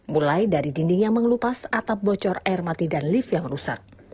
mulai dari dinding yang mengelupas atap bocor air mati dan lift yang rusak